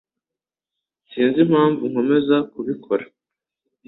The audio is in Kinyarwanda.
Sinzi impamvu nkomeza kubikora.